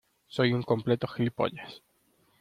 soy un completo gilipollas.